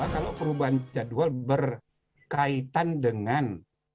kalau perubahan jadwal berkaitan dengan